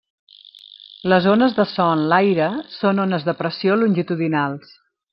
Les ones de so en l’aire són ones de pressió longitudinals.